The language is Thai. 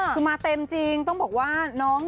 คือมาเต็มจริงต้องบอกว่าน้อง